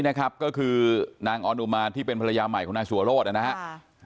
นะครับก็คือนางออนอุมาที่เป็นภรรยาใหม่ของนายสัวโรธนะครับ